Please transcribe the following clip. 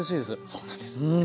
そうなんです。